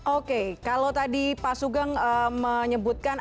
oke kalau tadi pak sugeng menyebutkan